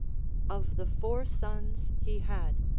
Of the four sons he had.